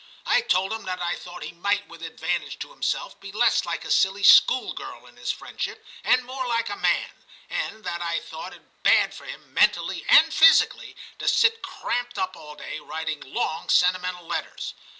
I told him that I thought he might with advantage to himself be less like a silly schoolgirl in his friendship and more like a man, and that I thought it bad for him mentally and physically to sit cramped up all day writing long sentimental letters.